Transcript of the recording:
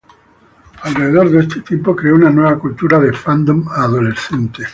Alrededor de este tiempo, creó una nueva cultura de fandom adolescente.